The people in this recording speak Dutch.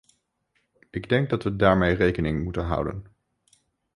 Ik denk dat we daarmee rekening moeten houden.